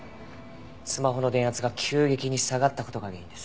スマホの電圧が急激に下がった事が原因です。